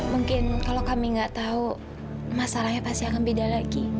mungkin kalau kami nggak tahu masalahnya pasti akan beda lagi